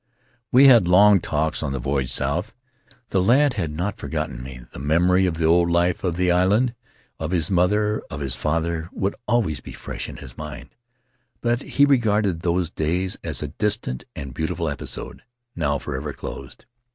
"We had long talks on the voyage south; the lad had not forgotten me. The memory of the old life — of the island, of his mother, of his father — would always be fresh in his mind, but he regarded those days as a distant and beautiful episode, now forever closed.